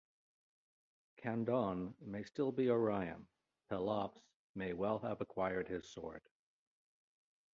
Candaon may still be Orion; Pelops may well have acquired his sword.